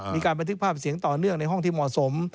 มีการบันทึกภาพเสียงต่อเนื่องในห้องที่เหมาะสม